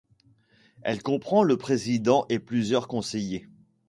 Elle comprend le président et plusieurs conseillers.